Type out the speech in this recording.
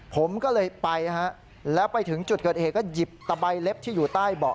ผมก็เลยไปฮะแล้วไปถึงจุดเกิดเหตุ